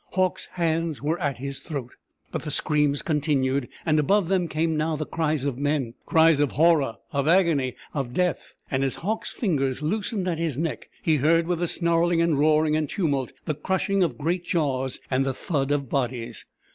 Hauck's hands were at his throat. But the screams continued, and above them came now the cries of men cries of horror, of agony, of death; and as Hauck's fingers loosened at his neck he heard with the snarling and roaring and tumult the crushing of great jaws and the thud of bodies.